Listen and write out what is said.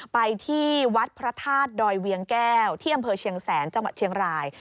ไปที่วัดพระธาตุดอยเวียงแก้วที่อำเภอเชียงแสนจังหวัดเชียงราย